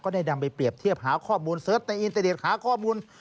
ก็ได้นำไปเปรียบเทียบหาข้อมูล